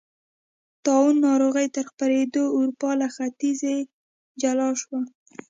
طاعون ناروغۍ تر خپرېدو اروپا له ختیځې جلا شوه.